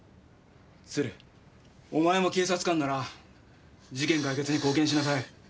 鶴お前も警察官なら事件解決に貢献しなさい。